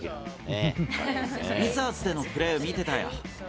ウィザーズでのプレーを見てたよ。